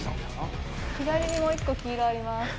左にもう１個黄色あります